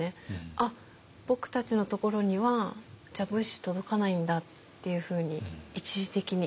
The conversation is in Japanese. あっ僕たちのところにはじゃあ物資届かないんだっていうふうに一時的に。